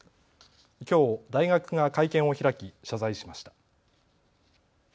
きょう大学が会見を開き謝罪しました。